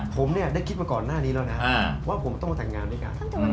ผมเนี่ยได้คิดมาก่อนหน้านี้แล้วนะว่าผมต้องมาแต่งงานด้วยกัน